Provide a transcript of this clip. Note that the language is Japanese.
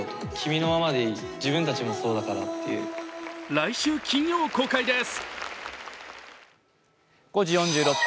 来週金曜公開です。